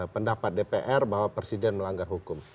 pendapat dpr bahwa presiden melanggar hukum